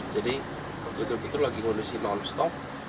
jadi begitu begitu lagi ngondisi non stop